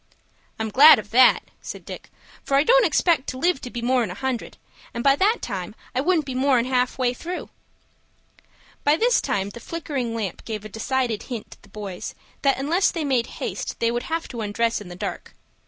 "I'm glad of that," said Dick; "for I don't expect to live to be more'n a hundred, and by that time I wouldn't be more'n half through." By this time the flickering lamp gave a decided hint to the boys that unless they made haste they would have to undress in the dark.